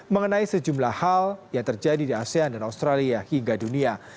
mengenai sejumlah hal yang terjadi di asean dan australia hingga dunia